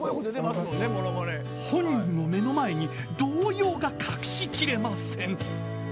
［本人を目の前に動揺が隠しきれません］